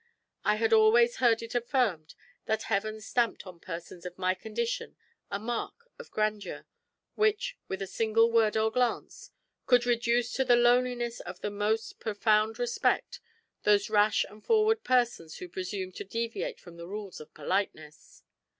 I had always heard it affirmed that Heaven stamped on persons of my condition a mark of grandeur, which, with a single word or glance, could reduce to the lowliness of the most profound respect those rash and forward persons who presume to deviate from the rules of politeness.